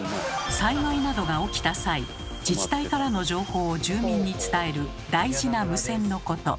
災害などが起きた際自治体からの情報を住民に伝える大事な無線のこと。